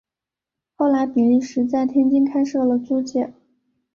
后来比利时在天津开设了租界。